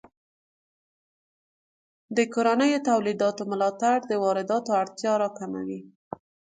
د کورنیو تولیداتو ملاتړ د وارداتو اړتیا راکموي.